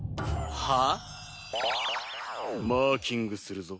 はあ？マーキングするぞ。